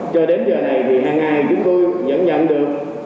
cho đến giờ này thì hàng ngày chúng tôi vẫn nhận được